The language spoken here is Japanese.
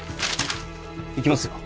行きますよ